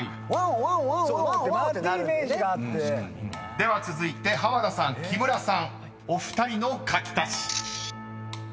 ［では続いて濱田さん木村さんお二人の描き足し］